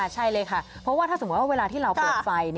ใช่เลยค่ะเพราะว่าถ้าสมมุติว่าเวลาที่เราเปิดไฟ